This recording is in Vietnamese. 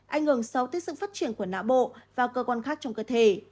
ảnh hưởng sâu tới sự phát triển của nạ bộ và cơ quan khác trong cơ thể